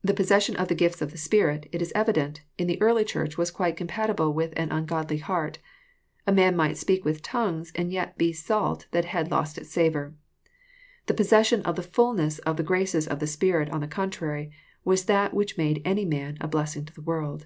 The possessionujf the gifts of the Spirit, it is evident, in the early Church was quite compatible with an ungodly heart. A man might speak with tongues, and yet be like salt that had lost its savour. The possession of the ftilness of the graces of the Spirit, on the contrary, was that which made any man a blessing to the world.